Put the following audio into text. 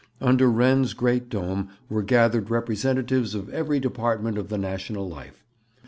Under Wren's great dome were gathered representatives of every department of the national life.